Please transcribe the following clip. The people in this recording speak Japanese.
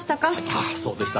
ああそうでした。